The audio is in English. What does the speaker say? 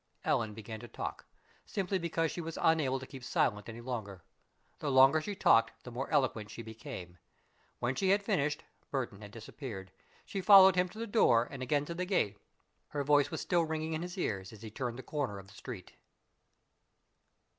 Ellen began to talk simply because she was unable to keep silent any longer. The longer she talked, the more eloquent she became. When she had finished, Burton had disappeared. She followed him to the door, and again to the gate. Her voice was still ringing in his ears as he turned the corner of the street.